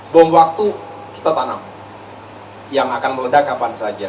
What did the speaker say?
bom waktu kita tanam yang akan meledak kapan saja